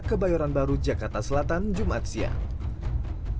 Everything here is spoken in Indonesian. ke bayoran baru jakarta selatan jumat siang